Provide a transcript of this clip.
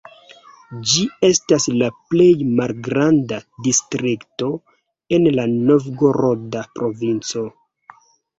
Ĝi estas la plej malgranda distrikto en la Novgoroda provinco.